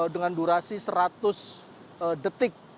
dengan durasi seratus detik